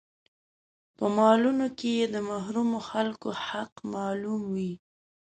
په مالونو کې يې د محرومو خلکو حق معلوم وي.